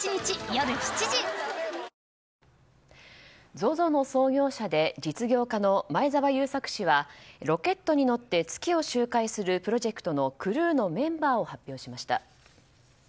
ＺＯＺＯの創業者で実業家の前澤友作氏はロケットに乗って月を周回するプロジェクトのクルーのメンバーを発表しました。